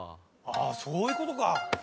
ああそういう事か。